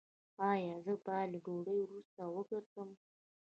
ایا زه باید له ډوډۍ وروسته وګرځم؟